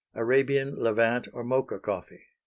Arabian, Levant, or Mocha Coffee.